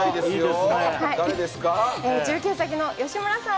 中継先の吉村さん。